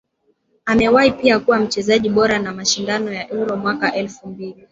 amewahi pia kuwa mchezaji bora wa mashindano ya Euro mwaka elfu mbili